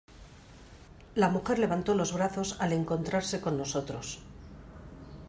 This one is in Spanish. la mujer levantó los brazos al encontrarse con nosotros: